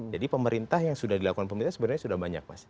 jadi pemerintah yang sudah dilakukan pemerintah sebenarnya sudah banyak mas